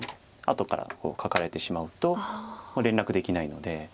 後からこうカカられてしまうと連絡できないので。